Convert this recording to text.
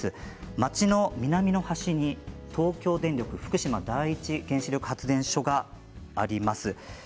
町の南の端に東京電力福島第一原子力発電所があります。